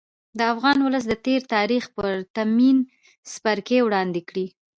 د افغان ولس د تېر تاریخ پرتمین څپرکی وړاندې کړي.